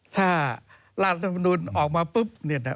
ถ้ารัฐมนุนออกมาปุ๊บเนี่ยนะ